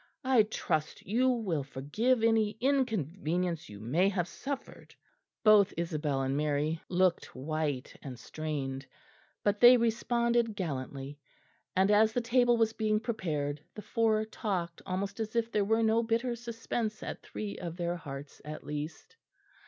I trust you will forgive any inconvenience you may have suffered." Both Isabel and Mary looked white and strained, but they responded gallantly; and as the table was being prepared the four talked almost as if there were no bitter suspense at three of their hearts at least.